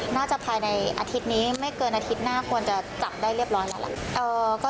น่าจะภายในอาทิตย์นี้ไม่เกินอาทิตย์หน้าควรจะจับได้เรียบร้อยแล้วล่ะ